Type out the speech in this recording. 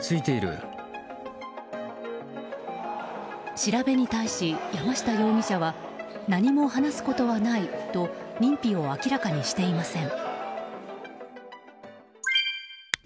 調べに対し、山下容疑者は何も話すことはないと認否を明らかにしていません。